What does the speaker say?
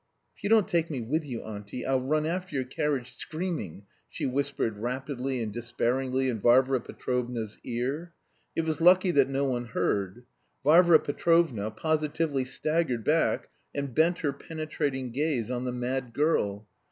"If you don't take me with you, auntie, I'll run after your carriage, screaming," she whispered rapidly and despairingly in Varvara Petrovna's ear; it was lucky that no one heard. Varvara Petrovna positively staggered back, and bent her penetrating gaze on the mad girl.